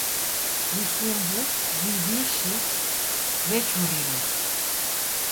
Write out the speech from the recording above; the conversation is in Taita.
Vifumbu viw'ishi vechurilwa.